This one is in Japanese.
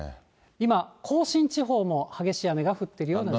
今、甲信地方も激しい雨が降ってるような状況。